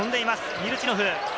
ミルチノフ！